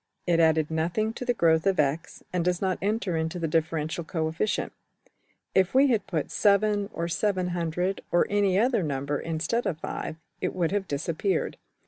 It added nothing to the growth of~$x$, and does not enter into the differential coefficient. If we had put~$7$, or~$700$, or any other number, instead of~$5$, it would have disappeared.